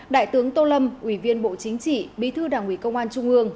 đại tướng tô lâm ủy viên bộ chính trị bí thư đảng ủy công an trung ương